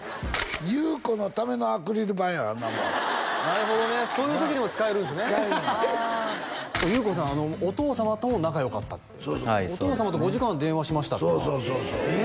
裕子のためのアクリル板やあんなもんなるほどねそういう時にも使えるんすね裕子さんお父様とも仲良かったってはいそうですねお父様と５時間電話しましたってそうそうそうそうえ！